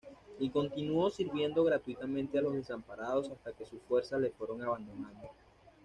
Y continuó sirviendo gratuitamente a los desamparados hasta que sus fuerzas le fueron abandonando.